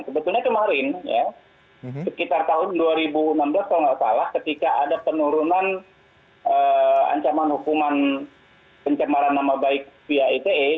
sebetulnya kemarin ya sekitar tahun dua ribu enam belas kalau nggak salah ketika ada penurunan ancaman hukuman pencemaran nama baik via ite